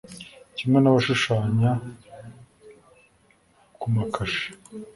kimwe n'abashushanya ku makashe